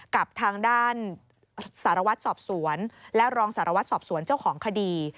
กับทางด้านสารวัตรสอบสวนและรองสารวัตรสอบสวนเจ้าของคดี